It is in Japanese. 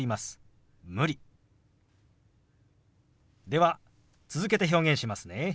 では続けて表現しますね。